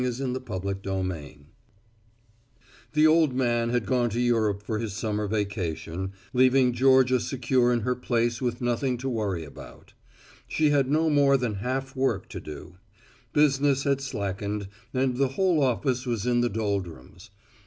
V FOR IDLE HANDS TO DO The old man had gone to Europe for his summer vacation, leaving Georgia secure in her place with nothing to worry about. She had no more than half work to do. Business had slackened and the whole office was in the doldrums.